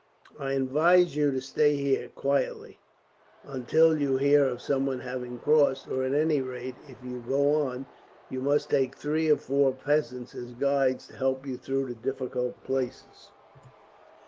I advise you to stay here quietly, until you hear of someone having crossed; or at any rate, if you do go on, you must take three or four peasants as guides, and to help you through difficult places."